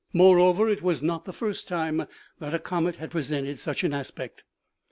Moreover, it was not the first time that a comet had presented such an aspect.